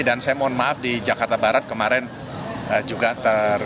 dan saya mohon maaf di jakarta barat kemarin juga ter